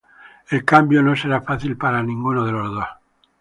El cambio no será fácil para ninguno de los dos.